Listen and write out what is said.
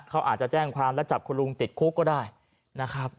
เขาอาจจะแจ้งความและจับคุณลุงติดคุกก็ได้นะครับ